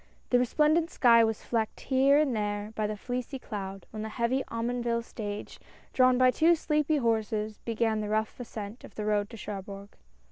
The resplendent sky was flecked here and there by a fleecy cloud, when the heavy Omonville stage, drawn by two sleepy horses, began the rough ascent of the road to Cherbourg.